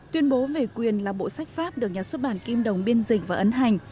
tuyên bố về quyền là bộ sách pháp được nhà xuất bản kim đồng biên dịch và ấn hành